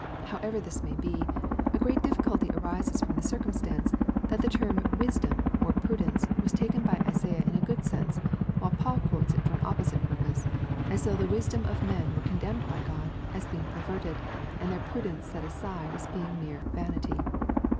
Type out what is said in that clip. However this may be, a great difficulty arises from the circumstance, that the term wisdom or prudence was taken by Isaiah in a good sense, while Paul quotes it for an opposite purpose, as though the wisdom of men were condemned by God, as being peiTerted, and their pinidence set aside as being mere vanity.